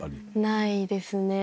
ないですね。